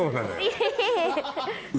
いえいえ。